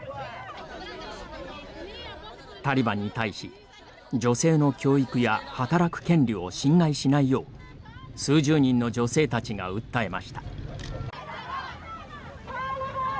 タリバンに対し、女性の教育や働く権利を侵害しないよう数十人の女性たちが訴えました。